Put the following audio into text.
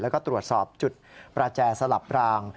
แล้วก็ตรวจสอบจุดประแจสลับราง